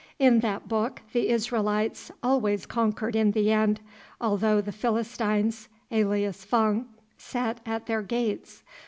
In that book the Israelites always conquered in the end, although the Philistines, alias Fung, sat at their gates.